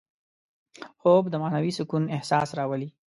خوب د معنوي سکون احساس راولي